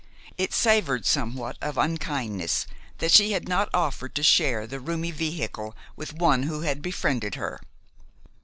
It savored somewhat of unkindness that she had not offered to share the roomy vehicle with one who had befriended her.